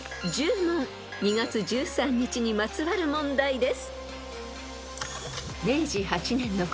［２月１３日にまつわる問題です］